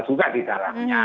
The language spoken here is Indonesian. sosial juga di dalamnya